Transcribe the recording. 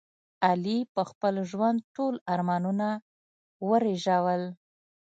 علي په خپل ژوند ټول ارمانونه ورېژول.